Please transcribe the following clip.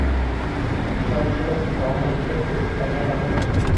Ishonchimiz komilki, biz bajaramiz